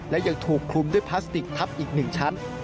และยังถูกคลุมด้วยพลาสติกทับอีก๑ชั้น